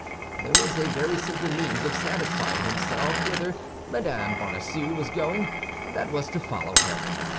There was a very simple means of satisfying himself whither Mme. Bonacieux was going; that was to follow her.